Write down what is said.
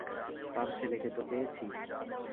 তার ছেলেকে তো পেয়েছি।